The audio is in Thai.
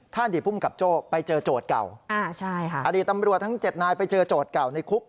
ถ้าอันดีภูมิกับโจ้ไปเจอโจทย์เก่าอันดีตำรวจทั้ง๗นายไปเจอโจทย์เก่าในคุก